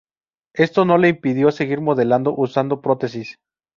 Esto no le impidió seguir modelando, usando prótesis.